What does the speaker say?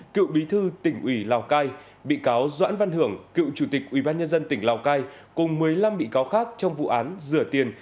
cựu bí thư tỉnh ủy lào cai bị cáo doãn văn hưởng cựu chủ tịch ủy ban nhân dân tỉnh lào cai cùng một mươi năm bị cáo khác trong vụ án rửa tiền